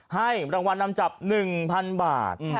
รางวัลนำจับ๑๐๐๐บาท